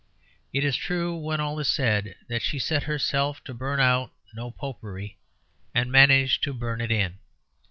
It is true, when all is said, that she set herself to burn out "No Popery" and managed to burn it in.